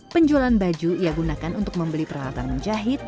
penjualan baju ia gunakan untuk membeli peralatan menjahit